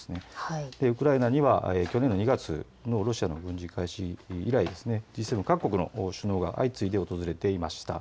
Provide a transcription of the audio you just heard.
そしてウクライナには去年の２月のロシアの軍事侵攻開始以来、相次いで各国の首脳が訪れていました。